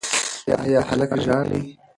ایا هلک ژاړي؟